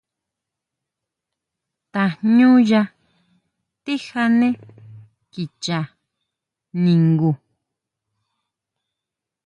Tajñúya tijane kicha ningu.